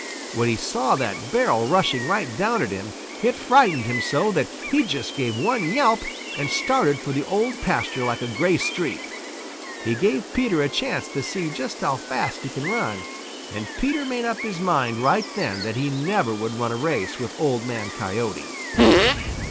When he saw that barrel rushing right down at him, it frightened him so that he just gave one yelp and started for the Old Pasture like a gray streak. He gave Peter a chance to see just how fast he can run, and Peter made up his mind right then that he never would run a race with Old Man Coyote.